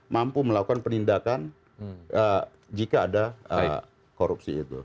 mampu melakukan penindakan jika ada korupsi itu